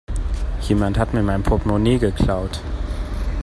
Jemand hat mir mein Portmonee geklaut.